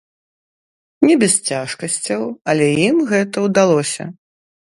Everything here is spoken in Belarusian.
Не без цяжкасцяў, але ім гэта ўдалося.